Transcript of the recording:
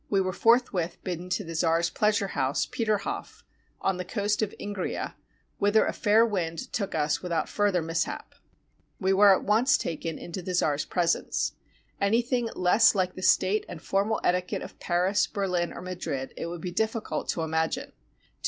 We were forthwith bidden to the czar's pleasure house, Peterhof , on the coast of Ingria, whither a fair wind took us without further mishap. We were at once taken into the czar's presence. Any thing less like the state and formal etiquette of Paris, Berlin, or Madrid, it would be difficult to imagine.